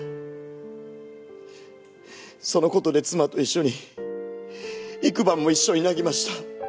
その事で妻と一緒に幾晩も一緒に泣きました。